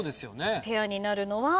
ペアになるのは？